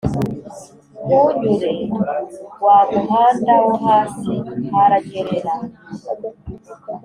Ntunyure wamuhanda wohasi haranyerera